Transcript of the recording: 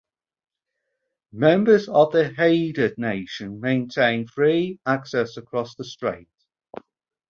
Members of the Haida nation maintain free access across the Strait.